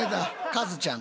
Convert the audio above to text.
カズちゃん。